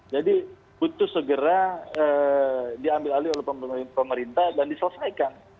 jadi putus segera diambil alih oleh pemerintah dan diselesaikan